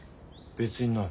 別にない。